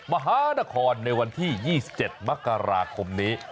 มหานครในวันที่๒๗มกราคมนี้